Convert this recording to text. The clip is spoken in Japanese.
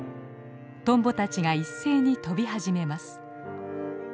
トンボたちが一斉に飛び始めます。